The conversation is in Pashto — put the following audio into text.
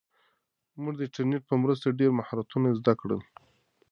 موږ د انټرنیټ په مرسته ډېر مهارتونه زده کړل.